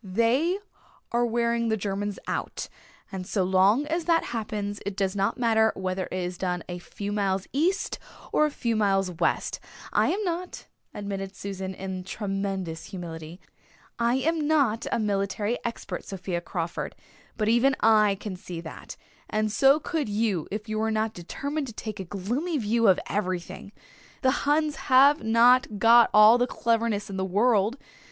"They are wearing the Germans out and so long as that happens it does not matter whether it is done a few miles east or a few miles west. I am not," admitted Susan in tremendous humility, "I am not a military expert, Sophia Crawford, but even I can see that, and so could you if you were not determined to take a gloomy view of everything. The Huns have not got all the cleverness in the world.